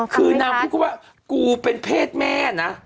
คือนางพูดคำว่ากูเป็นเพศแม่นะ